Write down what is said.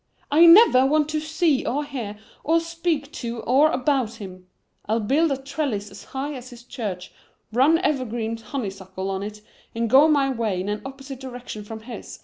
"I never want to see or hear or speak to or about him. I'll build a trellis as high as his church, run evergreen honeysuckle on it and go my way in an opposite direction from his.